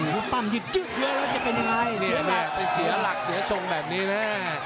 ลูกปั้มยึดยึดจะเป็นยังไงเสียหลักเสียทรงแบบนี้นะ